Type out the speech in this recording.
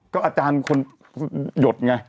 ก็อาจารย์คนหยดไง